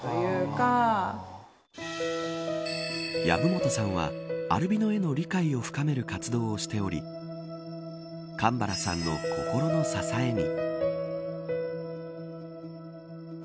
薮本さんは、アルビノへの理解を深める活動をしており神原さんの心の支えに。